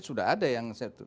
sudah ada yang mencerdaskan